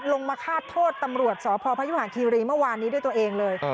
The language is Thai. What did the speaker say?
มาฆาตโทษตำรวจสพพยุหาคีรีเมื่อวานนี้ด้วยตัวเองเลย